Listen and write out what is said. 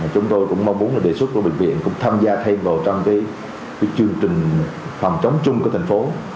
chúng tôi cũng mong muốn là đề xuất của bệnh viện cũng tham gia thêm vào trong chương trình phòng chống chung của thành phố